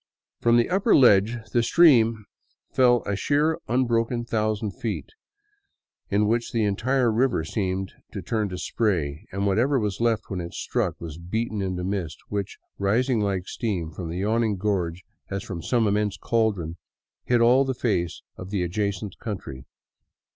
From the upper ledge the stream fell a sheer unbroken thousand feet in which the entire river seemed to turn to spray and whatever was left when it struck was beaten into mist which, rising like steam from the yawning gorge as from some immense caldron, hid all the face of the adjacent country.